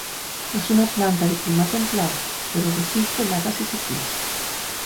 Es una planta de clima templado, pero resiste heladas y sequías.